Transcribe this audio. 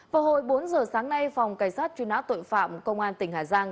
vào hồi bốn giờ sáng nay phòng cảnh sát truy nã tội phạm công an tỉnh hà giang